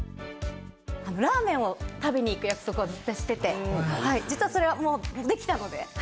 ラーメンを食べに行く約束をずっとしてて、実はそれはもうできたので。